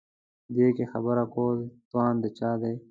دې کې خبره کول توان د چا دی.